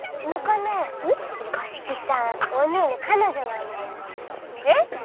五色さんおにぃの彼女なんだよ。えっ！？